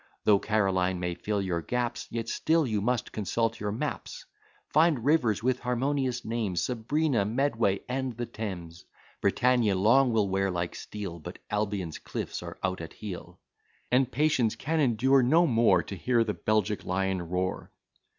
Though Caroline may fill your gaps, Yet still you must consult your maps; Find rivers with harmonious names, Sabrina, Medway, and the Thames, Britannia long will wear like steel, But Albion's cliffs are out at heel; And Patience can endure no more To hear the Belgic lion roar.